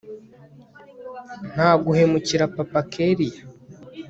ntaguhemukira papa kellia